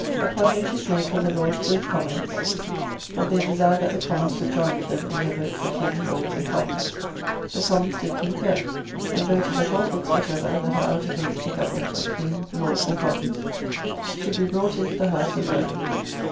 Upon notice made from the Lords to the Commons, of their desire that the Commons would join with them in their vote for King, Lords, and Commons; the Commons did concur and voted that all books whatever that are out against the Government of King, Lords, and Commons, should be brought into the House and burned.